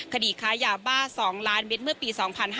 คดีค้ายาบ้า๒ล้านเมตรเมื่อปี๒๕๕๙